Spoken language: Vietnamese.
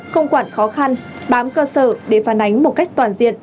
không quản khó khăn bám cơ sở để phản ánh một cách toàn diện